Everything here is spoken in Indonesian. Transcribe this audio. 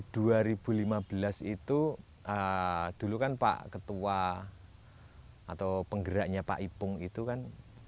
dua ribu lima belas itu dulu kan pak ketua atau penggeraknya pak ipung itu kan